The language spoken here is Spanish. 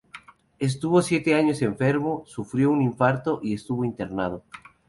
Estuvo siete años enfermo; sufrió un infarto y estuvo internado.